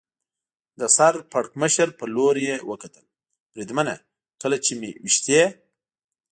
د سر پړکمشر په لور یې وکتل، بریدمنه، کله چې مې وېشتی.